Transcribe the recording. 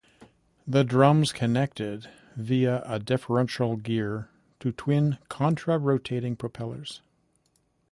The drums connected via a differential gear to twin contra-rotating propellers.